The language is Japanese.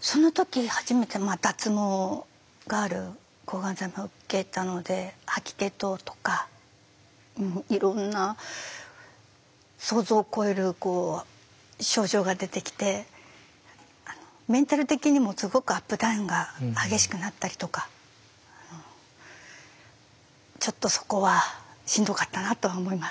その時初めて脱毛がある抗がん剤も受けたので吐き気等とかいろんな想像を超える症状が出てきてメンタル的にもすごくアップダウンが激しくなったりとかちょっとそこはしんどかったなとは思いますが。